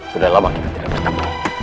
sudah lama kita tidak bertemu